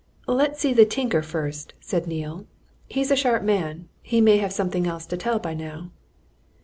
"Let's see the tinker first," said Neale. "He's a sharp man he may have something else to tell by now."